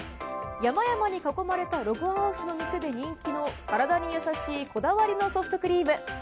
山々に囲まれたログハウスの店で人気の体に優しいこだわりのソフトクリーム。